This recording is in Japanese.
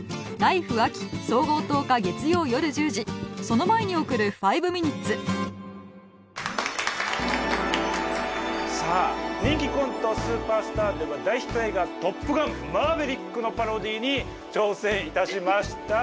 その前に送る「５ミニッツ」さあ人気コント「スーパースター」では大ヒット映画「トップガンマーヴェリック」のパロディーに挑戦いたしました。